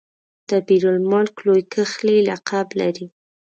دبیر المک لوی کښلی لقب لري.